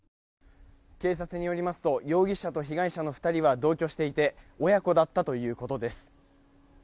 警察によりますと容疑者と被害者の２人は同居していて親子だったということです。